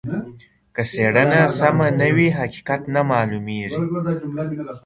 که څېړنه سمه نه وي حقیقت نه معلوميږي.